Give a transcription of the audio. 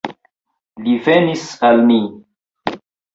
Ili venas al ni.